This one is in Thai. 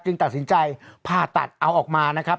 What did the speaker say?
ตัดสินใจผ่าตัดเอาออกมานะครับ